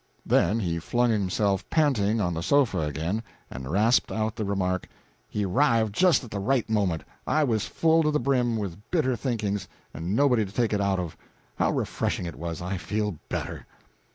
Then he flung himself panting on the sofa again, and rasped out the remark, "He arrived just at the right moment; I was full to the brim with bitter thinkings, and nobody to take it out of. How refreshing it was! I feel better."